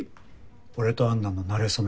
俺と安奈のなれそめ。